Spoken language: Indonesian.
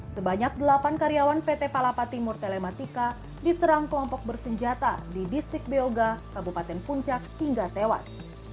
sebanyak delapan karyawan pt palapa timur telematika diserang kelompok bersenjata di distrik beoga kabupaten puncak hingga tewas